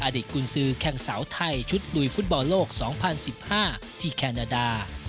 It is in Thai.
อดีตกุญสือแข่งสาวไทยชุดลุยฟุตบอลโลก๒๐๑๕ที่แคนาดา